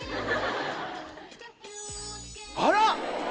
あら！